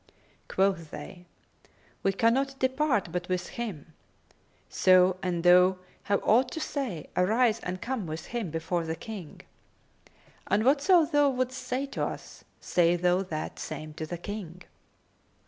Quoth they, "We cannot depart but with him; so, an thou have aught to say, arise and come with him before the King; and whatso thou wouldst say to us, say thou that same to the King."